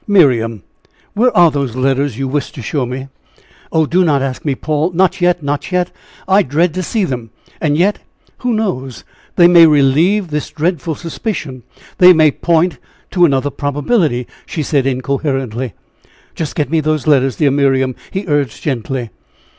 "Miriam! where are those letters you wished to show me?" "Oh! do not ask me, Paul! not yet! not yet! I dread to see them. And yet who knows? they may relieve this dreadful suspicion! they may point to another probability," she said, incoherently. "Just get me those letters, dear Miriam," he urged, gently.